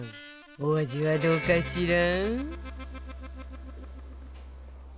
お味はどうかしら？